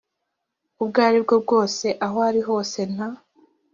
ubwo ari bwo bwose aho ari hose nta